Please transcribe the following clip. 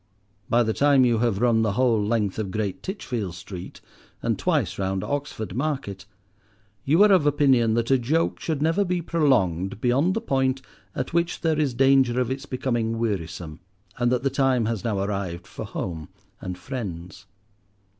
By the time you have run the whole length of Great Titchfield Street and twice round Oxford Market, you are of opinion that a joke should never be prolonged beyond the point at which there is danger of its becoming wearisome; and that the time has now arrived for home and friends.